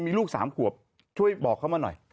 มีลูก๓ขวบช่วยบอกเขามาหน่อย